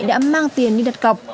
đã mang tiền đi đặt cọc